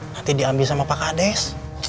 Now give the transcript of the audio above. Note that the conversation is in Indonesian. nanti diambil sama pak kades